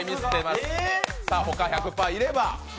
他、１００パーいれば。